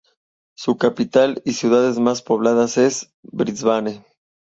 Su capital y ciudad más poblada es Brisbane.